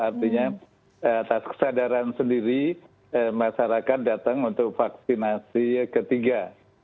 artinya atas kesadaran sendiri masyarakat datang untuk vaksinasi ketiga